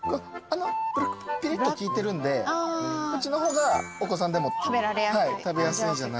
ピリッと効いてるんでこっちの方がお子さんでも食べやすいんじゃないかなぜひ。